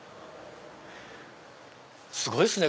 すごいっすね